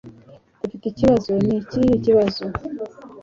Dufite ikibazo Ni ikihe kibazo